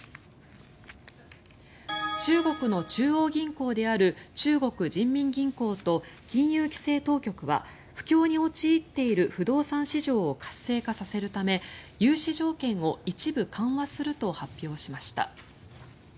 中国の中央銀行である中国人民銀行と金融規制当局は不況に陥っている不動産市場を活性化させるため融資条件を一部緩和すると発表しました。